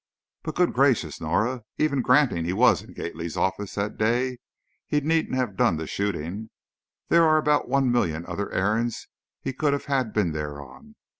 "But, good gracious, Norah, even granting he was in Gately's office that day, he needn't have done the shooting. There are about one million other errands he could have been there on.